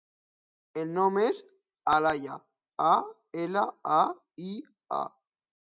El nom és Alaia: a, ela, a, i, a.